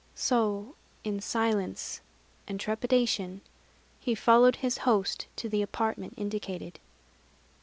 So, in silence and trepidation, he followed his host to the apartment indicated.